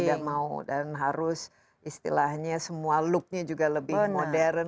kalau tidak mau dan harus istilahnya semua looknya juga lebih modern